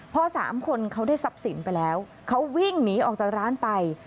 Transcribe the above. พอสามคนเขาได้ทรัพย์สินไปแล้วเขาวิ่งหนีออกจากร้านไป